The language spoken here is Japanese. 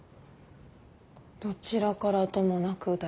どちらからともなくだよね。